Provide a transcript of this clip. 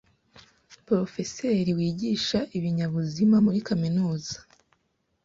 Porofeseri wigisha ibinyabuzima muri kaminuza